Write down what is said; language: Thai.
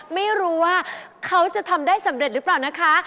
ไม่รู้ว่าเขาจะทำได้สำเร็จหรือเปล่านะคะ